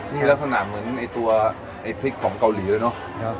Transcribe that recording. นี่ลักษณะเหมือนไอ้ตัวไอ้พริกของเกาหลีเลยเนอะ